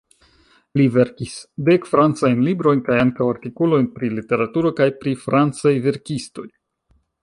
Li verkis dek francajn librojn kaj ankaŭ artikolojn pri literaturo kaj pri francaj verkistoj.